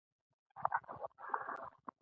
په هوښ کښېنه، احساسات مه پرېږده.